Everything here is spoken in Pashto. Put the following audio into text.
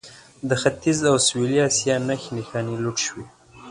د ختیځ او سویلي اسیا نښې نښانې لوټ شوي.